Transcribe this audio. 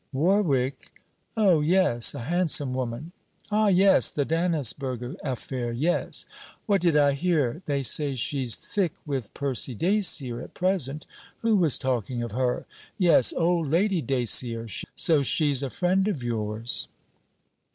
'Warwick? Oh, yes, a handsome woman. Ah, yes; the Dannisburgh affair, yes. What did I hear! They say she 's thick with Percy Dacier at present. Who was talking of her! Yes, old Lady Dacier. So she 's a friend of yours?'